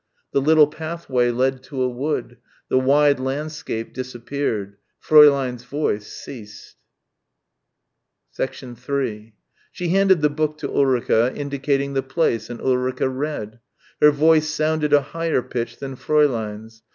The little pathway led to a wood. The wide landscape disappeared. Fräulein's voice ceased. 3 She handed the book to Ulrica, indicating the place and Ulrica read. Her voice sounded a higher pitch than Fräulein's.